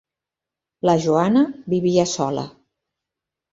La Joana vivia sola.